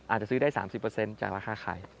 อาจจะซื้อได้๓๐จากราคาขาย